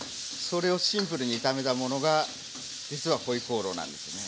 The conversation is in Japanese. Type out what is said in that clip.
それをシンプルに炒めたものが実は回鍋肉なんです。